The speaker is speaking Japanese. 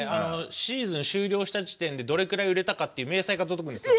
シーズン終了した時点でどれくらい売れたか明細が届くんですよ。